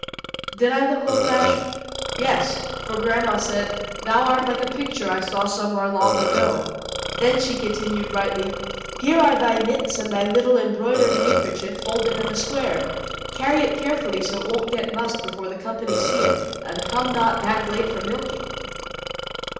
Did I look old fashioned? Yes, for grandma said, "Thou art like a picture I saw somewhere long ago." Then she continued brightly, "Here are thy mits, and thy little embroidered handkerchief folded in a square. Carry it carefully so it won't get mussed before the company see it, and come not back late for milking."